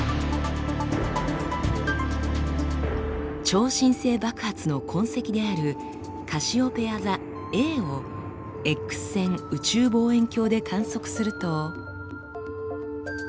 超新星爆発の痕跡であるカシオペヤ座ＡをＸ線宇宙望遠鏡で観測すると。